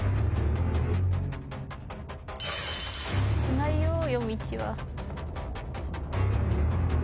危ないよ夜道は。